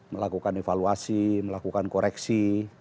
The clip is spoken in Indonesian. melakukan evaluasi melakukan koreksi